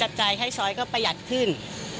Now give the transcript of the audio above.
จับจ่ายให้ซ้อยก็ประหยัดขึ้น